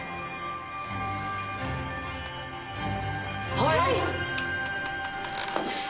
はい。